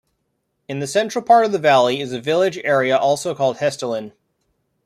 In the central part of the valley is a village area also called Hessdalen.